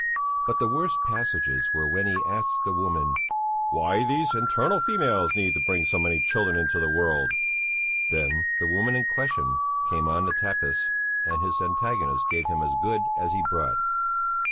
But the worst passages were when he asked the woman, "why these infernal females need bring so many children into the world;" then the woman in question came on the tapis and his antagonist gave him as good as he brought.